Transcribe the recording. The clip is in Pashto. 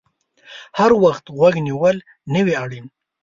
هر وخت غوږ نیول نه وي اړین